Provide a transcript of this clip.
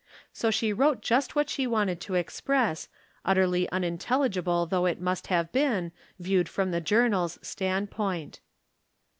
So she wrote just what she wanted to ex press, utterly unintelligible though it must have been, viewed from the Journal's standpoint.